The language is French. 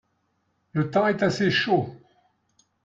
Le temps est assez chaud.